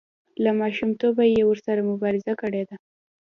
له ماشومتوبه یې ورسره مبارزه کړې ده.